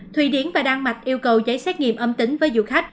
thủy điển và đan mạch yêu cầu giấy xét nghiệm âm tính với du khách